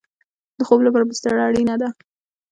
د خوب لپاره بستره اړین ده